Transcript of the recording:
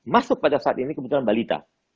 masuk pada saat ini kebetulan balita